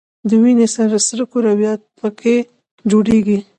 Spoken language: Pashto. د وینې سره کرویات په ... کې جوړیږي.